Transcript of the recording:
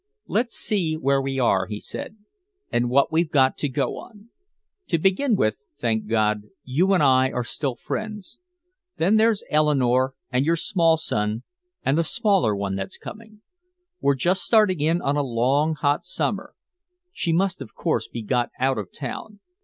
"Let's see where we are," he said, "and what we've got to go on. To begin with, thank God, you and I are still friends. Then there's Eleanore and your small son and the smaller one that's coming. We're just starting in on a long, hot summer. She must of course be got out of town.